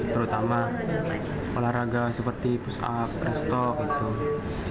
terutama olahraga seperti push up rest up sit up lari